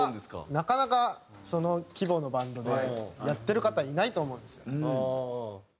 なかなかその規模のバンドでやってる方いないと思うんですよね。